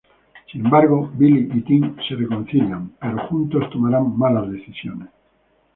Sin embargo, Billy y Tim se reconcilian, pero juntos tomarán malas decisiones.